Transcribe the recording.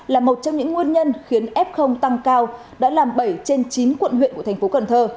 là một trong những nguyên nhân khiến f tăng cao đã làm bảy trên chín quận huyện của thành phố cần thơ